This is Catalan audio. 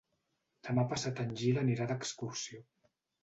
Demà passat en Gil anirà d'excursió.